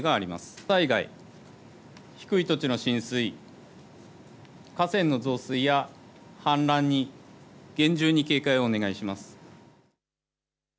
土砂災害、低い土地の浸水、河川の増水や氾濫に厳重に警戒をお願いします。